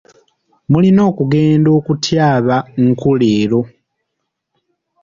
Mulina okugenda okutyaba nku leero.